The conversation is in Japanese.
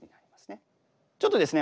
ちょっとですね